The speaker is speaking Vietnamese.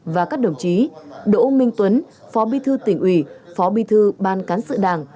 hai nghìn hai mươi một hai nghìn hai mươi sáu và các đồng chí đỗ minh tuấn phó bí thư tỉnh ủy phó bí thư ban cán sự đảng